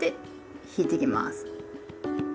引いてきます。